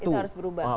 itu harus berubah